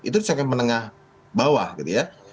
itu segmen menengah bawah gitu ya